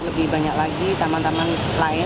lebih banyak lagi taman taman lain